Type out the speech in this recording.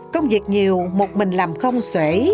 công việc nhiều một mình làm không xuể